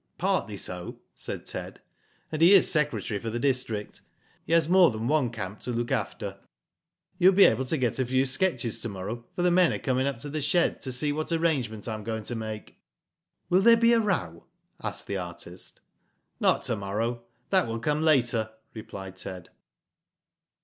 "Partly so," said Ted, "and he is secretary for the district. He has more than one camp to look after. You will be able to get a few sketches to morrow, for the men are coming up to the shed to see what arrangement I am going to make." "Will there be a row?" asked the artist. "Not to morrow. That will come later," replied Ted.